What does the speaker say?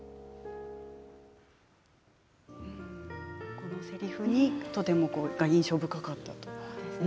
このせりふが印象深かったということですね。